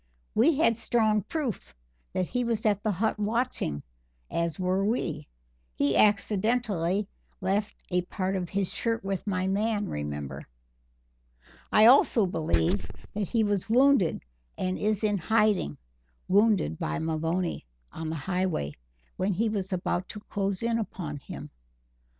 We had strong proof that he was at the hut watching, as were we; he accidentally left a part of his shirt with my man, remember. I also believe that he was wounded and is in hiding wounded by Maloney, on the Highway, when he was about to close in upon him."